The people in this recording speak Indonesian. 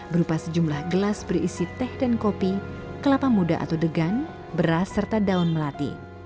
berupa sejumlah gelas berisi teh dan kopi kelapa muda atau degan beras serta daun melati